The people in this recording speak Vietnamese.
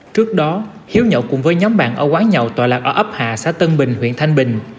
trước đó hiếu nhậu cùng với nhóm bạn ở quán nhậu tòa lạc ở ấp hà xã tân bình huyện thanh bình